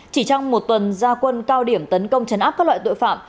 chỉ trong một tuần gia quân cao điểm tấn công chấn áp các loại tội phạm